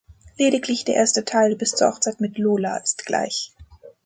Lediglich der erste Teil bis zur Hochzeit mit Lola ist gleich.